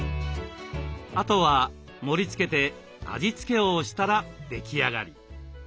あとは盛りつけて味付けをしたら出来上がり。